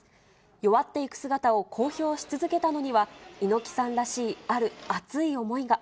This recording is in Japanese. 弱っていく姿を公表し続けたのには、猪木さんらしいある熱い思いが。